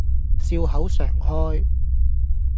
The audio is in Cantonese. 笑口常開